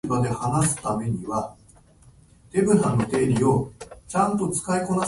雨の音が屋根を伝って、優しく耳に届く